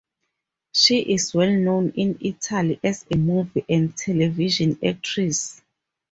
She is well-known in Italy as a movie and television actress.